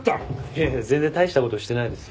いやいや全然大したことしてないです。